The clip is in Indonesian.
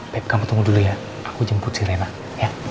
beb kamu tunggu dulu ya aku jemput si rena ya